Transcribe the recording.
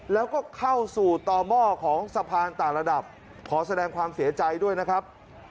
แล้วก็เข้าสู่ต่อหม้อของสะพานต่างระดับขอแสดงความเสียใจด้วยนะครับ